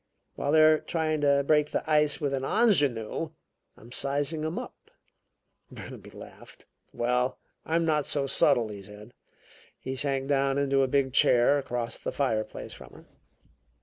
While they are trying to break the ice with an ingenue, I'm sizing them up." Burnaby laughed. "Well, I'm not subtle," he said. He sank down into a big chair across the fireplace from her.